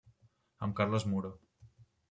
Amb Carles Muro.